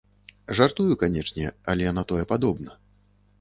Жартую, канечне, але на тое падобна.